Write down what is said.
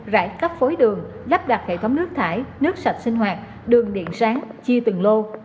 rãnh cấp phối đường lắp đặt hệ thống nước thải nước sạch sinh hoạt đường điện sáng chia từng lô